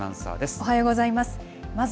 おはようございます。